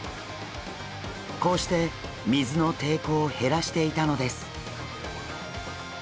こうして水の抵抗を減らしていたのです。